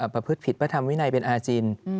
ประพฤติผิดพระธรรมวินัยเป็นอาจิน